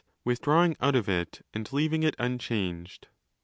withdrawing out of it and leaving it unchanged.